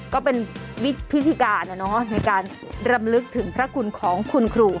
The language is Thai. ก็เป็นวิธีการในการรำลึกถึงพระคุณของคุณครู